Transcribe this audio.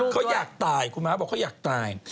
เขาอยากตายคุณม้าบอกเขาอยากตาย